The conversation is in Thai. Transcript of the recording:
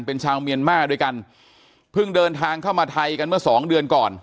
เป็นชาวเมียนมาร์ด้วยกันเพิ่งเดินทางเข้ามาไทยกันเมื่อสองเดือนก่อน